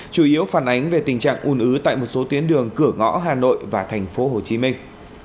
chủ yếu phản ánh về tình trạng un ứ tại một số tuyến đường cửa ngõ hà nội và thành phố hồ chí minh